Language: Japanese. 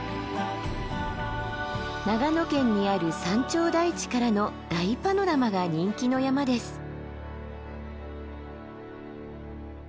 長野県にある山頂台地からの大パノラマが人気の山です。